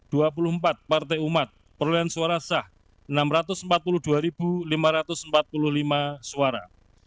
dua puluh empat partai umat perolehan suara sah enam ratus empat puluh dua lima ratus empat puluh lima suara